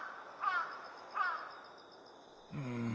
うん。